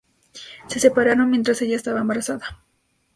Se separaron mientras ella estaba embarazada.